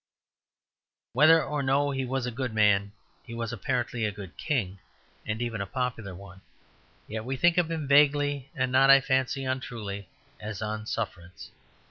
Whether or no he was a good man, he was apparently a good king and even a popular one; yet we think of him vaguely, and not, I fancy, untruly, as on sufferance.